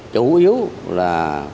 chủ yếu là